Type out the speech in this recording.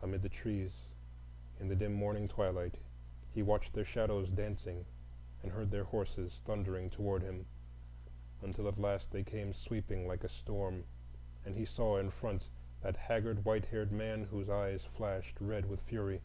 Amid the trees in the dim morning twilight he watched their shadows dancing and heard their horses thundering toward him, until at last they came sweeping like a storm, and he saw in front that haggard white haired man, whose eyes flashed red with fury.